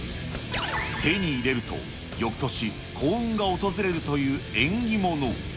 手に入れると、よくとし、幸運が訪れるという縁起物。